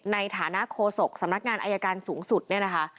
ในฐานะโคศกสำนักงานอายการสูงสุดเนี่ยนะคะ